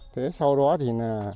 thế sau đó thì